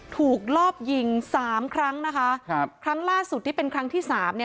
รอบยิงสามครั้งนะคะครับครั้งล่าสุดที่เป็นครั้งที่สามเนี่ย